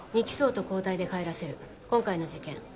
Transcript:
２機捜と交代で帰らせる今回の事件